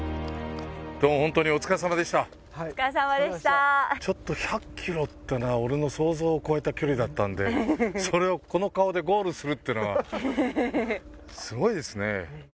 どうもホントにお疲れさまでしたお疲れさまでした１００ｋｍってね俺の想像を超えた距離だったんでそれをこの顔でゴールするってのはすごいですね